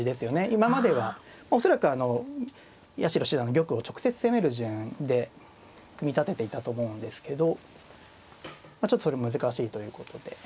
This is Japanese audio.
今までは恐らくあの八代七段の玉を直接攻める順で組み立てていたと思うんですけどちょっとそれ難しいということで。